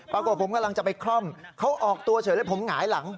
ปรากฏผมกำลังจะไปคล่อมเขาออกตัวเฉยแล้วผมหงายหลัง